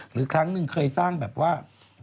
หรือครั้งนึงเคยสร้างแบบว่า